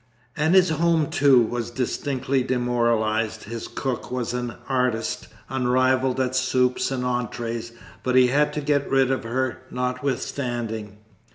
And his home, too, was distinctly demoralised: his cook was an artist, unrivalled at soups and entrées; but he had to get rid of her notwithstanding.